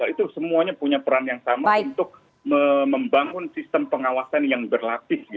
itu semuanya punya peran yang sama untuk membangun sistem pengawasan yang berlatih